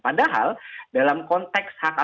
padahal dalam konteks hak hak